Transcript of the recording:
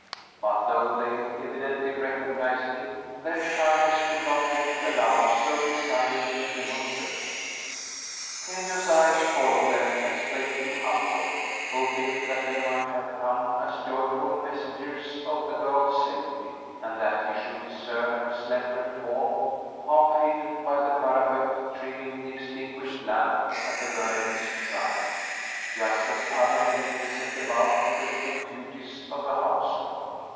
But, though they evidently recognized him, their shyness would not yet allow so decided a demonstration. Kenyon's eyes followed them as they flew upward, hoping that they might have come as joyful messengers of the girl's safety, and that he should discern her slender form, half hidden by the parapet, trimming the extinguished lamp at the Virgin's shrine, just as other maidens set about the little duties of a household.